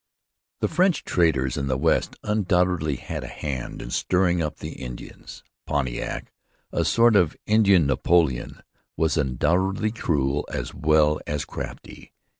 ] The French traders in the West undoubtedly had a hand in stirring up the Indians. Pontiac, a sort of Indian Napoleon, was undoubtedly cruel as well as crafty.